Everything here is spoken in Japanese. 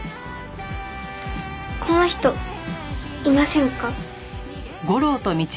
この人いませんか？